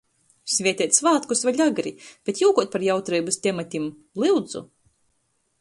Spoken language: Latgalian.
Svieteit svātkus vēļ agri, bet jūkuot par jautreibys tematim - lyudzu!...